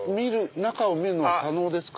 中を見るのは可能ですか？